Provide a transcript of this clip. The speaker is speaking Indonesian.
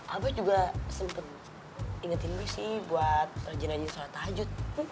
abah juga sempet ingetin gue sih buat rajin rajin sholat tahajud